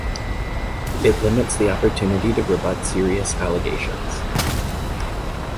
It limits the opportunity to rebut serious allegations.